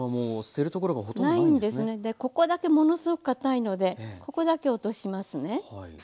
でここだけものすごくかたいのでここだけ落としますね。